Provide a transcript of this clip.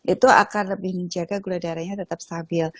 itu akan lebih menjaga gula darahnya tetap stabil